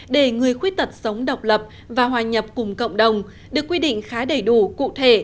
để người khuyết tật sống độc lập và hòa nhập cùng cộng đồng được quy định khá đầy đủ cụ thể